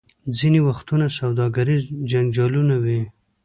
ځینې وختونه سوداګریز جنجالونه وي.